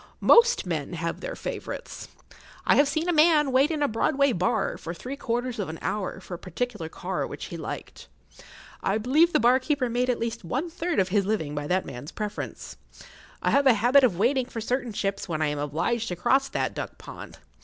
Most men have their favourites. I have seen a man wait in a Broadway bar for three quarters of an hour for a particular car which he liked. I believe the bar keeper made at least one third of his living by that man's preference. I have a habit of waiting for certain ships when I am obliged to cross that duck pond.